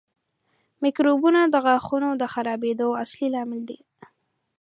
میکروبونه د غاښونو د خرابېدو اصلي لامل دي.